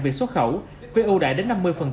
về xuất khẩu với ưu đại đến năm mươi